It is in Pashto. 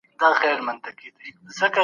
د سياسي فکر لرغونوالی د بشر تاريخ ته رسېږي.